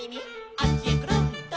「あっちへくるん」